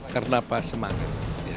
karena apa semangat